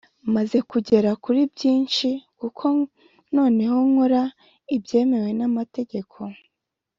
maze kugera kuri byinshi kuko noneho nkora ibyemewe n’amategeko